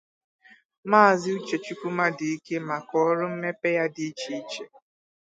Maazị Uchechukwu Mmaduike maka ọrụ mmepe ya dị iche iche